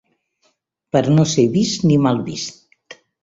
Per no ser vist ni mal vist